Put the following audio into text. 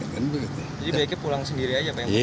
jadi baiknya pulang sendiri aja pak